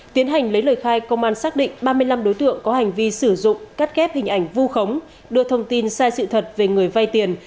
tiến hành lấy lời khai công an xác định ba mươi năm đối tượng có hành vi sử dụng cắt kép hình ảnh vu khống đưa thông tin sai sự thật về người vay tiền